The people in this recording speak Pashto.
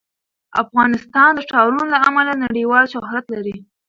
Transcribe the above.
افغانستان د ښارونو له امله نړیوال شهرت لري.